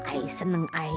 ayah senang ayah